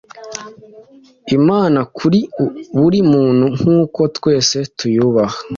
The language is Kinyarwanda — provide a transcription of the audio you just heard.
Imana kuri buri muntu nkuko twese tuyubaha